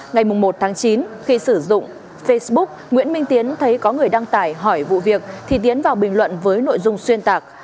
ngày một tháng chín khi sử dụng facebook nguyễn minh tiến thấy có người đăng tải hỏi vụ việc thì tiến vào bình luận với nội dung xuyên tạc